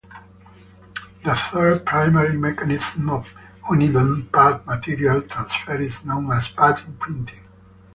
The third primary mechanism of uneven pad material transfer is known as pad imprinting.